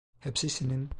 Hepsi senin.